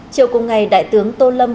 chiều cùng ngày đại tướng tô lâm